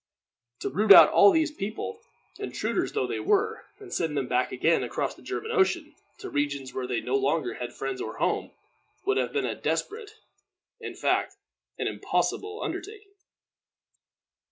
To root out all these people, intruders though they were, and send them back again across the German Ocean, to regions where they no longer had friends or home, would have been a desperate in fact, an impossible undertaking.